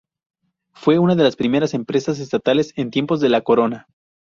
Fue una de las primeras empresas estatales en tiempos de la corona.